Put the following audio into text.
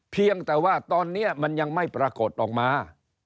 เพียงแต่ว่าตอนนี้มันยังไม่ปรากฏออกมา